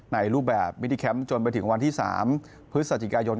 ในรูปแบบมินิแคมป์จนไปถึงวันที่๓พฤศจิกายน